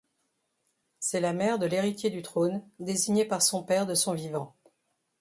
C'est la mère de l'héritier du trône, désigné par son père de son vivant.